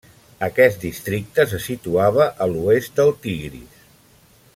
Aquest districte se situava a l'oest del Tigris.